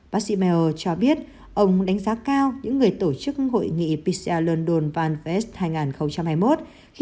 bác sĩ mayo cho biết ông đánh giá cao những người tổ chức hội nghị pcr london vanvest hai nghìn hai mươi một khi